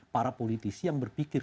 para politisi yang berpikir